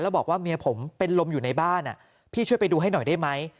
แล้วบอกว่าเมียผมเป็นลมอยู่ในบ้านพี่ช่วยไปดูให้หน่อยได้ไหม